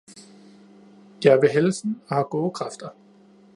Jeg er ved helsen og har gode kræfter